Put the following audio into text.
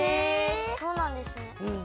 そうなんですね。